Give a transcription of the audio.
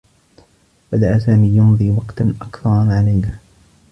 بدأ سامي يمضي وقتا أكثر مع ليلى.